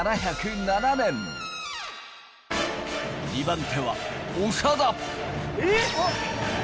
２番手は長田えー！？